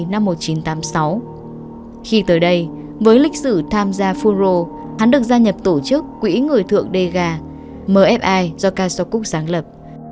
năm một nghìn chín trăm tám mươi sáu khi tới đây với lịch sử tham gia phun rô hắn được gia nhập tổ chức quỹ người thượng dega mfi do cashokok sáng lập